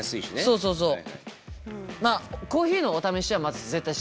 そうそうそう。